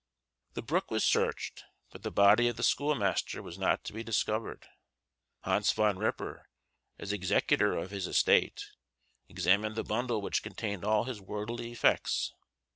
The brook was searched, but the body of the schoolmaster was not to be discovered. Hans Van Ripper, as executor of his estate, examined the bundle which contained all his worldly effects.